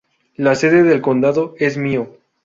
La sede del condado es Mio.